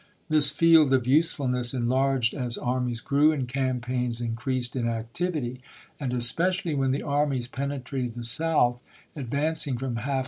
This field of use fulness enlarged as armies grew and campaigns increased in activity; and especially when the armies penetrated the South, advancing from half 396 ABRAHAM LINCOLN ch. XXII.